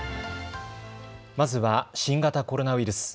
まずは新型コロナウイルス。